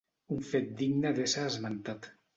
Un fet digne d'ésser esmentat.